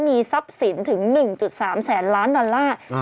มีทรัพย์สินถึง๑๓แสนล้านดอลลาร์